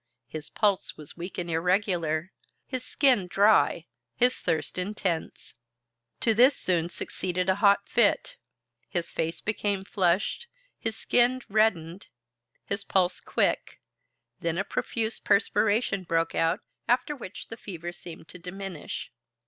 His pulse was weak and irregular, his skin dry, his thirst intense. To this soon succeeded a hot fit; his face became flushed; his skin reddened; his pulse quick; then a profuse perspiration broke out after which the fever seemed to diminish.